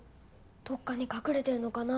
どっかに隠れてるのかな？